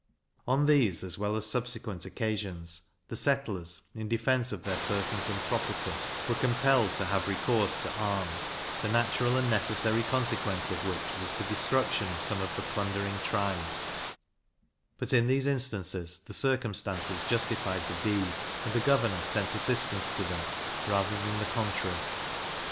On these as well as subsequent occasions, the settlers, in defence of their persons and property, were compelled to have recourse to arms, the natural and necessary consequence of which was the destruction of some of the plundering tribes; but, in these instances, the circumstances justified the deed, and the governor sent assistance to them, rather than the contrary.